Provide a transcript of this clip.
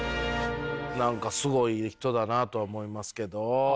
何かすごい人だなとは思いますけど。